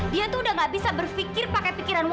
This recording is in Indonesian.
dia tuh udah gak bisa berpikir pakai pikir pikirnya